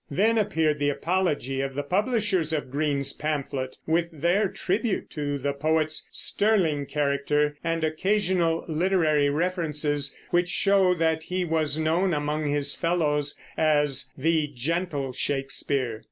Then appeared the apology of the publishers of Greene's pamphlet, with their tribute to the poet's sterling character, and occasional literary references which show that he was known among his fellows as "the gentle Shakespeare."